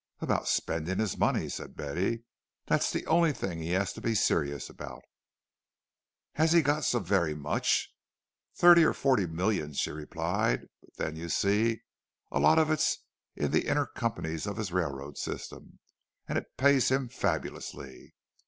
"About spending his money," said Betty. "That's the only thing he has to be serious about." "Has he got so very much?" "Thirty or forty millions," she replied; "but then, you see, a lot of it's in the inner companies of his railroad system, and it pays him fabulously.